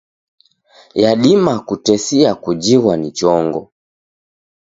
Yadima kutesia kujighwa ni chongo.